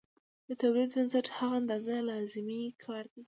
د تولید بنسټ هغه اندازه لازمي کار دی